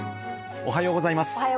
おはようございます。